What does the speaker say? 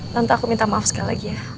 lalu aku minta maaf sekali lagi ya